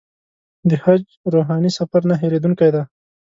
د حج روحاني سفر نه هېرېدونکی دی.